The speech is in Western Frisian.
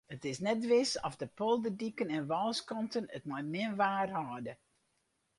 It is net wis oft de polderdiken en wâlskanten it mei min waar hâlde.